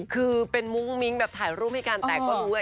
คือเป็นมุ้งมิ้งแบบถ่ายรูปให้กันแต่ก็รู้ไง